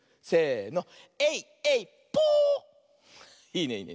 せの。